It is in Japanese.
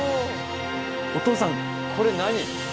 お父さんこれ何？